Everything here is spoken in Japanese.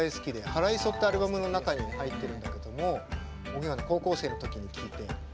「はらいそ」ってアルバムの中に入ってるんだけどもおげんはね高校生の時に聴いて。